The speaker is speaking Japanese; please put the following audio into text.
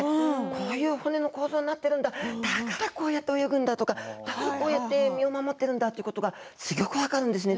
こういう骨の構造になっているんだ、だからこうやって泳ぐんだこうやって身を守っているんだとすギョく分かるんですね。